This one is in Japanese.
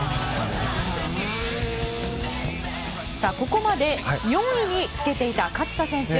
ここまで４位につけていた勝田選手。